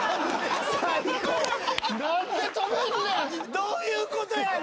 どういうことやねん。